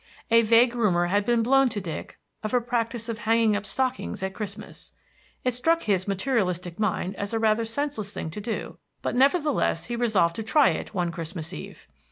A vague rumor had been blown to Dick of a practice of hanging up stockings at Christmas. It struck his materialistic mind as a rather senseless thing to do; but nevertheless he resolved to try it one Christmas Eve.